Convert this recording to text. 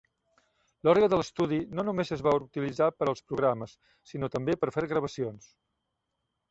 L'orgue de l'estudi no només es va utilitzar per als programes sinó també per fer gravacions.